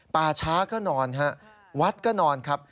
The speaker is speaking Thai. ป่าช้าก็นอนฮะวัดก็นอนครับ